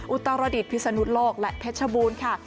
อุตรดิษฐพิศนุโลกและเพชรบูรณ์ค่ะ